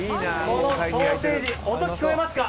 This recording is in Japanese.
このソーセージ音聞こえますか？